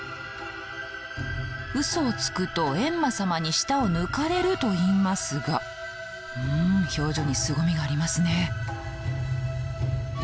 うそをつくと閻魔様に舌を抜かれるといいますがうん表情にすごみがありますね。